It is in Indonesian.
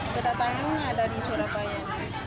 kedatang ini ada di surabaya